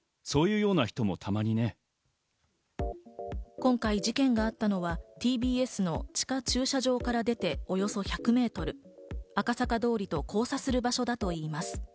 今回、事件があったのはＴＢＳの地下駐車場から出ておよそ１００ｍ、赤坂通りと交差する場所だといいます。